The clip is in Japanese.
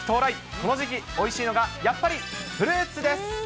この時期、おいしいのがやっぱりフルーツです。